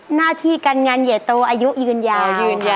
หน้าที่กันงานเหยียดโตอายุยืนยาว